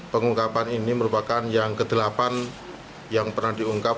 pengungkapan ini merupakan yang ke delapan yang pernah diungkap